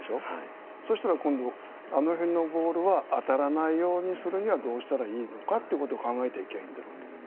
そしたら今度あの辺のボールは当たらないようにするにはどうしたらいいのかってことを考えていきゃいいんだ。